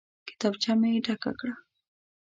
کتابچه مې ډکه کړه.